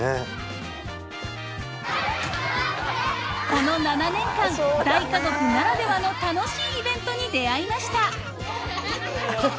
［この７年間大家族ならではの楽しいイベントに出合いました］